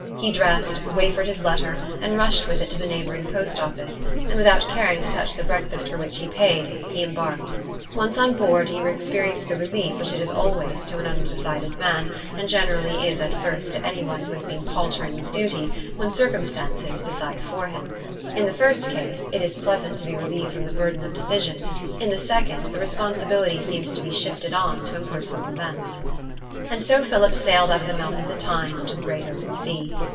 He dressed, wafered his letter, and rushed with it to the neighbouring post office; and, without caring to touch the breakfast for which he paid, he embarked. Once on board, he experienced the relief which it always is to an undecided man, and generally is at first to any one who has been paltering with duty, when circumstances decide for him. In the first case, it is pleasant to be relieved from the burden of decision; in the second, the responsibility seems to be shifted on to impersonal events. And so Philip sailed out of the mouth of the Tyne on to the great open sea.